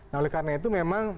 nah oleh karena itu memang